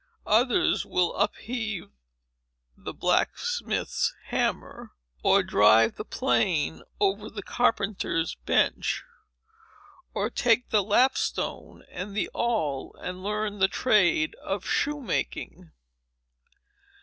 Others will upheave the blacksmith's hammer, or drive the plane over the carpenter's bench, or take the lapstone and the awl, and learn the trade of shoe making.